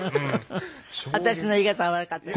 私の言い方が悪かった。